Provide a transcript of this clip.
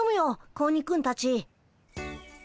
子鬼くんたち。